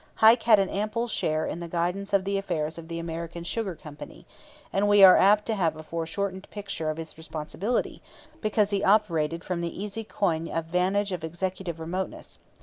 Heike had an ample share in the guidance of the affairs of the American Sugar Company, and we are apt to have a foreshortened picture of his responsibility, because he operated from the easy coign of vantage of executive remoteness.